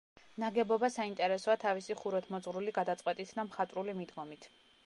ნაგებობა საინტერესოა თავისი ხუროთმოძღვრული გადაწყვეტით და მხატვრული მიდგომით.